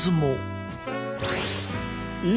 え！